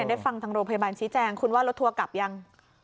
ได้ฟังทางโรงพยาบาลชี้แจงคุณว่ารถทัวร์กลับยัง